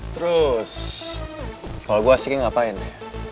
terus kalau gue sih ngapain ya